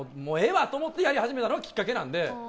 もうええわと思ってやり始めたのがきっかけなんで。